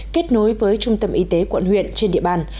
kết nối với trung tâm y tế quận huyện trên địa bàn